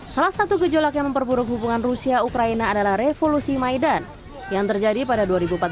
salah satu gejolak yang memperburuk hubungan rusia ukraina adalah revolusi maidan yang terjadi pada dua ribu empat belas